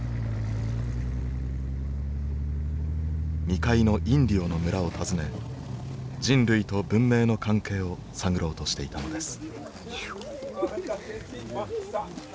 未開のインディオの村を訪ね人類と文明の関係を探ろうとしていたのです。